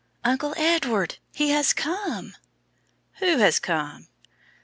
"Uncle Edward, he has come!" "Who has come?"